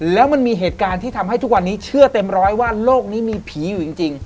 แล้วมันมีเหตุการณ์ที่ทำให้ทุกวันนี้เชื่อเต็มร้อยว่าโลกนี้มีผีอยู่จริง